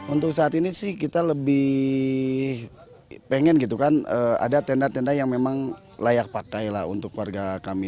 untuk saat ini sih kita lebih pengen gitu kan ada tenda tenda yang memang layak pakai lah untuk warga kami